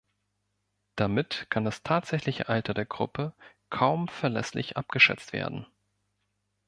Damit kann das tatsächliche Alter der Gruppe kaum verlässlich abgeschätzt werden.